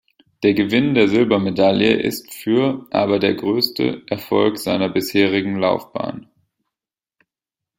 Der Gewinn der Silbermedaille ist für aber der größte Erfolg seiner bisherigen Laufbahn.